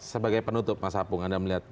sebagai penutup mas apung anda melihat